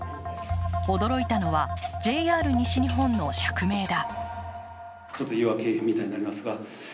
驚いたのはＪＲ西日本の釈明だ。